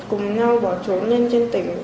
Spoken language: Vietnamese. cùng nhau bỏ trốn lên trên tỉnh